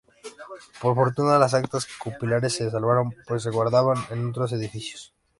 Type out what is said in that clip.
Por fortuna, las actas capitulares se salvaron pues se guardaban en otro edificio.